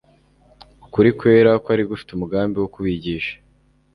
ukuri kwera kwari gufite umugambi wo kubigisha,